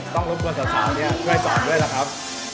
ต้องรบกวนสาวนี้ช่วยสอนด้วยนะครับ